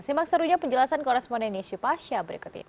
simak serunya penjelasan koresponden yesyu pasha berikut ini